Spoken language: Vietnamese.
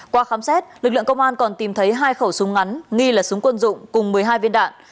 qua khám xét lực lượng công an còn tìm thấy hai khẩu súng ngắn nghi là súng quân dụng cùng một mươi hai viên đạn